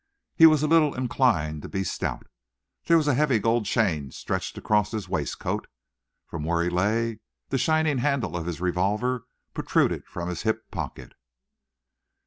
He was a little inclined to be stout. There was a heavy gold chain stretched across his waist coat. From where he lay, the shining handle of his revolver protruded from his hip, pocket.